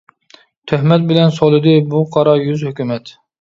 تۆھمەت بىلەن سولىدى، بۇ قارا يۈز ھۆكۈمەت.